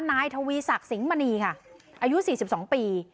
นายทวีสักสิงห์มณีค่ะอายุสี่สิบสองปี